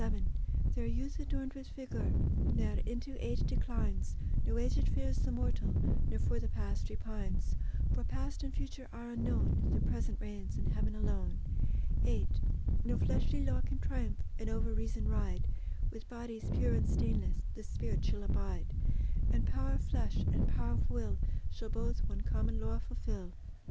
VII There youth adorned with vigour Ne'er into age declines; No aged fears the mortal, Nor for the past repines; For past and future are unknown: The present reigns in heaven alone. VIII No fleshly law can triumph, And over reason ride; With bodies pure and stainless The spirit shall abide; And power of flesh, and power of will, Shall both one common law fulfil.